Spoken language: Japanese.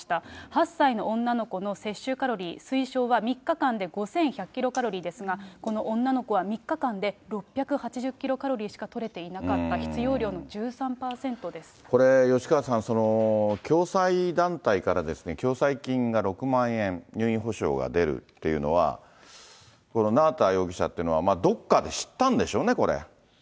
８歳の女の子の摂取カロリー、推奨は３日間で５１００キロカロリーですが、この女の子は３日間で６８０キロカロリーしかとれていなかった、これ吉川さん、共済団体から共済金が６万円、入院保障が出るっていうのは、この縄田容疑者っていうのは、どこかで知ったんでしょうね、これ。